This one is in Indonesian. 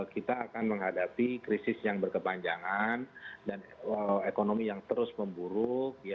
kita akan menghadapi krisis yang berkepanjangan dan ekonomi yang terus memburuk